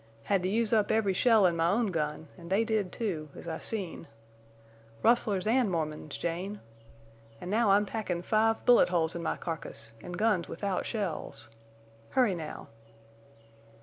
Had to use up every shell in my own gun, an' they did, too, as I seen. Rustlers an' Mormons, Jane! An' now I'm packin' five bullet holes in my carcass, an' guns without shells. Hurry, now."